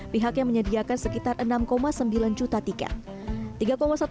pihaknya menyediakan sekitar enam sembilan juta tiket